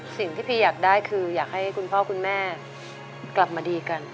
พี่พีอยากได้คืออยากให้คุณพ่อคุณแม่กลับมาดีกัน